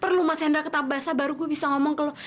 perlu mas hendra tetap basah baru gua bisa ngomong ke lu